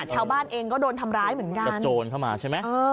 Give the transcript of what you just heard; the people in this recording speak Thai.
ชาวบ้านเองก็โดนทำร้ายเหมือนกันกระโจนเข้ามาใช่ไหม